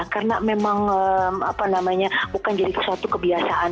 karena memang apa namanya bukan jadi suatu kebiasaan